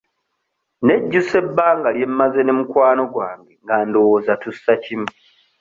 Nejjusa ebbanga lye mmaze ne mukwano gwange nga ndowooza tussa kimu.